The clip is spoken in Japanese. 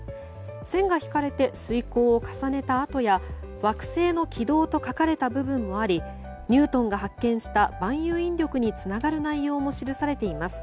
線が引かれて、推敲を重ねた跡や「惑星の軌道」と書かれた部分もありニュートンが発見した万有引力につながる内容も記されています。